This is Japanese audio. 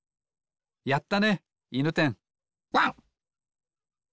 やったねいぬてんワン。